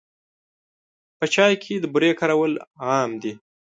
په چای کې د بوري کارول عام دي.